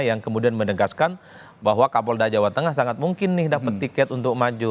yang kemudian menegaskan bahwa kapolda jawa tengah sangat mungkin nih dapat tiket untuk maju